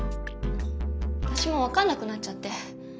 私も分かんなくなっちゃって。